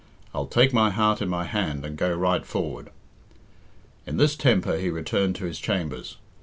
I'll take my heart in my hand and go right forward." In this temper he returned to his chambers.